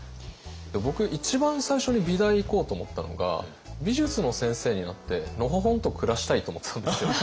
僕一番最初に美大行こうと思ったのが美術の先生になってのほほんと暮らしたいと思ってたんですよ。